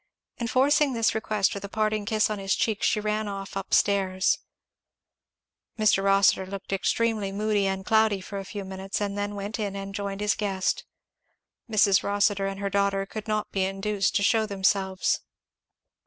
Enforcing this request with a parting kiss on his cheek, she ran off up stairs. Mr. Rossitur looked extremely moody and cloudy for a few minutes, and then went in and joined his guest. Mrs. Rossitur and her daughter could not be induced to shew themselves.